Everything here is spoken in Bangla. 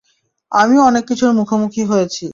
আমিও অনেক কিছুর মুখোমুখি হয়েছি।